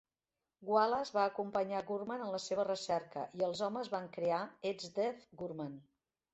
Wallace va acompanyar Gorman en la seva recerca i els homes van crea Ets Dave Gorman?